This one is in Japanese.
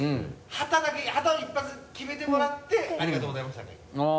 旗を一発決めてもらってありがとうございましたがいい。